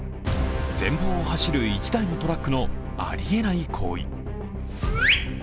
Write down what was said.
前方を走る１台のトラックのありえない行為。